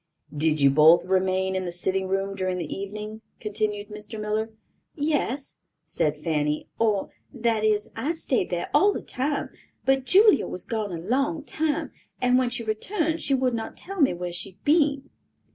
"Did you both remain in the sitting room during the evening?" continued Mr. Miller. "Yes," said Fanny, "or, that is, I stayed there all the time; but Julia was gone a long time, and when she returned she would not tell me where she had been."